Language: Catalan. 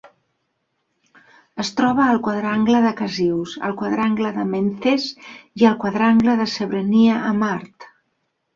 Es troba al quadrangle de Casius, al quadrangle d'Amenthes, i al quadrangle de Cebrenia a Mart.